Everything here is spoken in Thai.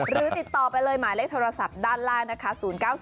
หรือติดต่อไปเลยหมายเลขโทรศัพท์ด้านล่างนะคะ